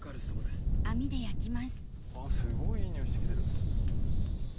すごいいい匂いして来てる。